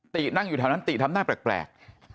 นั่งอยู่แถวนั้นติทำหน้าแปลก